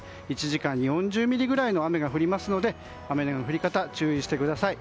１時間に４０ミリぐらいの雨が降りますので雨の降り方注意してください。